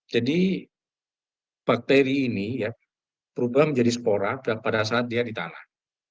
jadi bakteri ini berubah menjadi spora pada saat dia ditanah